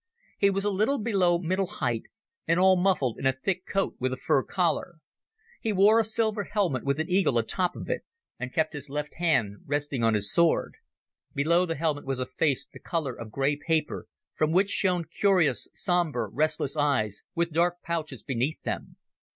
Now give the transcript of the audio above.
He was a little below middle height, and all muffled in a thick coat with a fur collar. He wore a silver helmet with an eagle atop of it, and kept his left hand resting on his sword. Below the helmet was a face the colour of grey paper, from which shone curious sombre restless eyes with dark pouches beneath them.